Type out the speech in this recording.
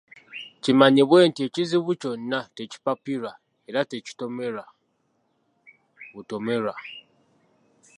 Kimanyibwe nti ekizibu kyonna tekipapirwa era tekitomerwa butomerwa.